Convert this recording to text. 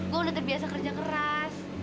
gue udah terbiasa kerja keras